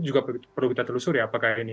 juga perlu kita telusuri apakah ini